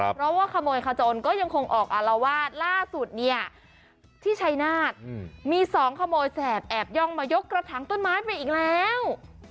เพราะว่าขโมยขจนก็ยังคงออกอารวาสล่าสุดเนี่ยที่ชัยนาฏมีสองขโมยแสบแอบย่องมายกกระถังต้นไม้ไปอีกแล้ว